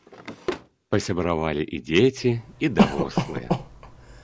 Пасябравалі і дзеці, і дарослыя.